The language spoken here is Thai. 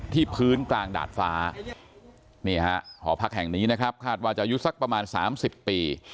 ที่พื้นกลางดาดฟ้านี่ฮะหอพักแห่งนี้นะครับคาดว่าจะอายุสักประมาณ๓๐ปี